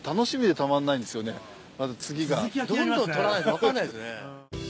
どんどん撮らないと分かんないですね。